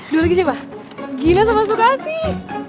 dua lagi coba gina sama sukasih